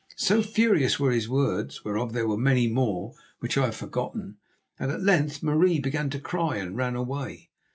So furious were his words, whereof there were many more which I have forgotten, that at length Marie began to cry and ran away.